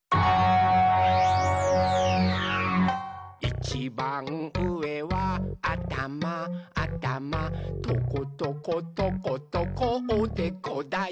「いちばんうえはあたまあたまトコトコトコトコおでこだよ！」